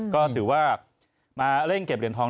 ก็ถือว่ามาเร่งเก็บเหรียญทอง